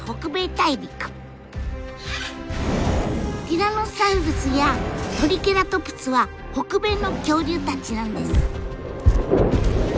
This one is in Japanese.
ティラノサウルスやトリケラトプスは北米の恐竜たちなんです。